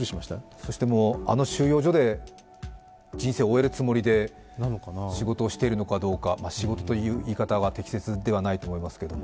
そしてもうあの収容所で人生終わるつもりで仕事をしているのかどうか、仕事という言い方は適切ではないですけども。